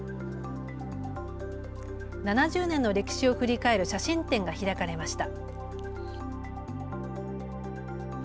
７０年の歴史を振り返る写真展が開かれました。